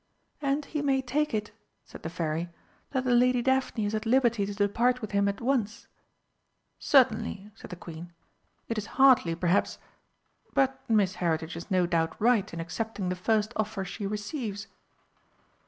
"And he may take it," said the Fairy, "that the Lady Daphne is at liberty to depart with him at once?" "Certainly," said the Queen. "It is hardly, perhaps but Miss Heritage is no doubt right in accepting the first offer she receives."